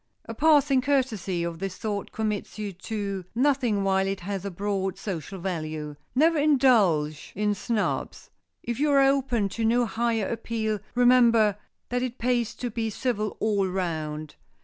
A passing courtesy of this sort commits you to nothing while it has a broad social value. Never indulge in snubs. If you are open to no higher appeal, remember that it pays to be civil all round.